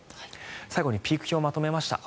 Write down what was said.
最後にピーク表をまとめました。